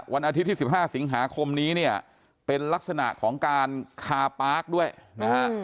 วันอาทิตย์ที่๑๕สิงหาคมนี้เนี่ยเป็นลักษณะของการคาปาร์คด้วยนะฮะ